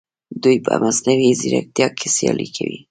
دوی په مصنوعي ځیرکتیا کې سیالي کوي.